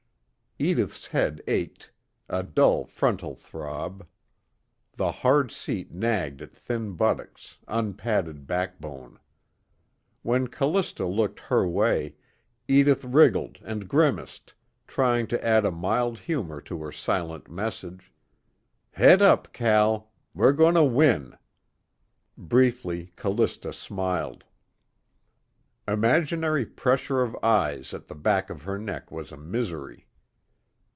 Edith's head ached, a dull frontal throb. The hard seat nagged at thin buttocks, unpadded backbone. When Callista looked her way, Edith wriggled and grimaced, trying to add a mild humor to her silent message: Head up, Cal! We're going to win. Briefly, Callista smiled. Imaginary pressure of eyes at the back of her neck was a misery.